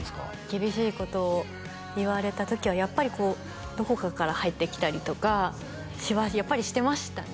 厳しいことを言われた時はやっぱりこうどこかから入ってきたりとかやっぱりしてましたね